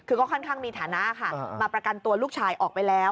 คือก็ค่อนข้างมีฐานะค่ะมาประกันตัวลูกชายออกไปแล้ว